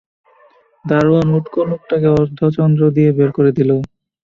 দারােয়ান উটকো লােকটাকে অর্ধচন্দ্র দিয়ে বের করে দিল।